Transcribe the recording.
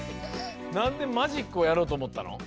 なんでマジックをやろうと思ったの？